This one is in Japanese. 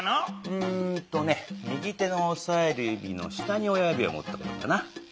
うんとね右手のおさえるゆびの下に親ゆびをもってこようかな。